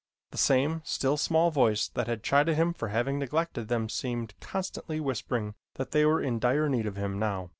The same still, small voice that chided him for having neglected them seemed constantly whispering that they were in dire need of him now.